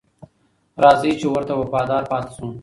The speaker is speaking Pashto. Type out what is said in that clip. راځئ چې ورته وفادار پاتې شو.